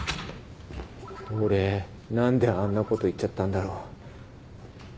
俺何であんなこと言っちゃったんだろ。